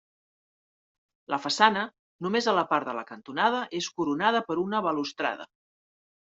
La façana, només a la part de la cantonada, és coronada per una balustrada.